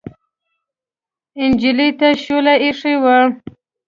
نجلۍ ته شوله اېښې وه.